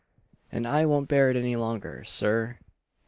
and I won't bear it any longer, Sir!